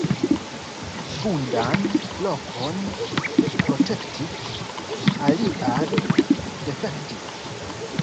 Vundan lokon protektis, alian difektis.